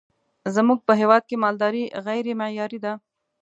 زمونږ په هیواد کی مالداری غیری معیاری ده